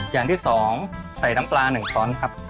อย่างที่๒ใส่น้ำปลา๑ช้อนครับ